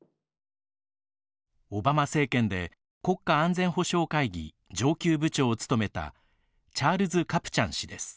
オバマ政権で国家安全保障会議上級部長を務めたチャールズ・カプチャン氏です。